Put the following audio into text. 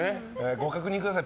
ご確認ください